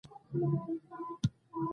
هغې ما ته خبر راکړ چې خیر او خیریت ده